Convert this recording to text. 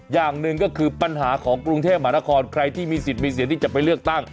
อย่างหนึ่งก็คือปัญหาของกรุงเทพมหานครใครที่มีสิทธิ์มีเสียงที่จะไปเลือกตั้ง